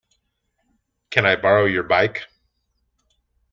Can I borrow your bike?